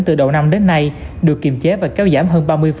từ đầu năm đến nay được kiềm chế và kéo giảm hơn ba mươi